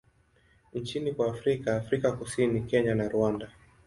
nchini kwa Afrika Afrika Kusini, Kenya na Rwanda.